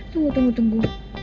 tunggu tunggu tunggu